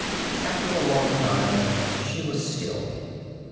After a long time she was still.